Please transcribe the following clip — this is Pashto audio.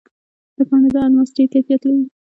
د کاناډا الماس ډیر کیفیت لري.